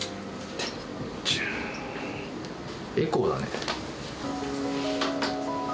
エコーだね。